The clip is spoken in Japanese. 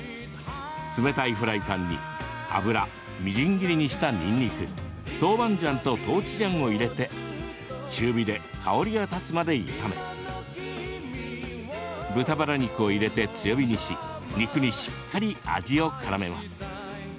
冷たいフライパンに油、みじん切りにしたにんにく豆板醤と豆鼓醤を入れて中火で香りが立つまで炒め豚バラ肉を入れて強火にし肉にしっかり味をからめます。